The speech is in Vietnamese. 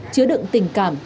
chứa đựng tình cảm